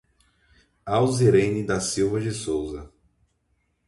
Auzirene da Silva de Souza